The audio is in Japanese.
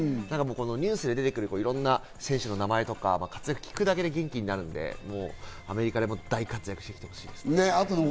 ニュースに出てくる、いろんな選手の名前とか活躍を聞くだけで元気になれるので、アメリカでも大活躍してきてほしいですね。